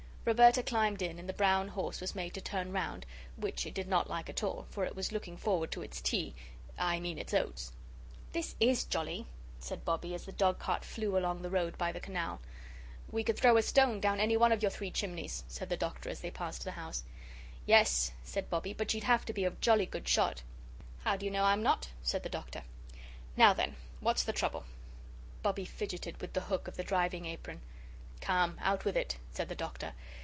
Roberta climbed in and the brown horse was made to turn round which it did not like at all, for it was looking forward to its tea I mean its oats. "This IS jolly," said Bobbie, as the dogcart flew along the road by the canal. "We could throw a stone down any one of your three chimneys," said the Doctor, as they passed the house. "Yes," said Bobbie, "but you'd have to be a jolly good shot." "How do you know I'm not?" said the Doctor. "Now, then, what's the trouble?" Bobbie fidgeted with the hook of the driving apron. "Come, out with it," said the Doctor.